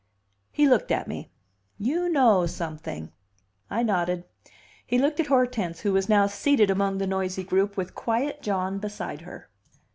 He looked at me. "You know something." I nodded. He looked at Hortense, who was now seated among the noisy group with quiet John beside her.